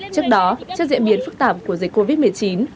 trước đó trước diễn biến phức tạp của dịch covid một mươi chín